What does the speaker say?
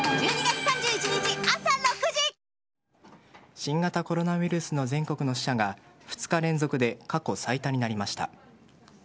新型コロナウイルスの全国の死者が２日連続で過去最多になりました。